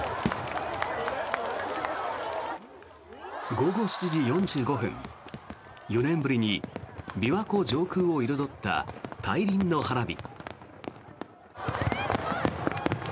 午後７時４５分、４年ぶりに琵琶湖上空を彩った大輪の花火。